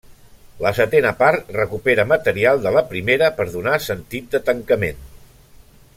La setena part recupera material de la primera per donar sentit de tancament.